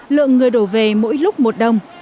lượng người đổ về mỗi lúc một đồng